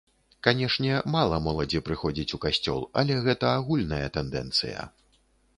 Канешне, мала моладзі прыходзіць у касцёл, але гэта агульная тэндэнцыя.